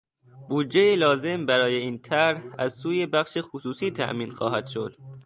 بودجهی لازم برای این طرح از سوی بخش خصوصی تامین خواهد شد.